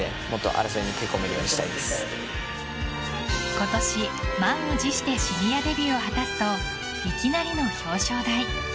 今年、満を持してシニアデビューを果たすといきなりの表彰台。